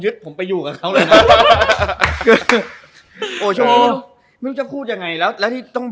แต่ถ้าถอยไปเนี่ย